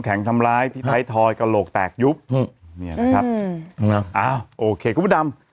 แข็งทำร้ายท้ายทอยกระโหลกแตกยุบโอเคคุณพุดำ